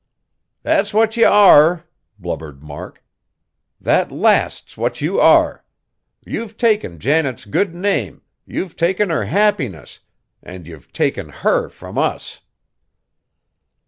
"That's what you are!" blubbered Mark, "that last's what you are! You've taken Janet's good name, you've taken her happiness and you've taken her frum us!"